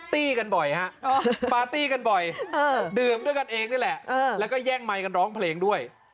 ตี้กันบ่อยฮะปาร์ตี้กันบ่อยดื่มด้วยกันเองนี่แหละแล้วก็แย่งไมค์กันร้องเพลงด้วย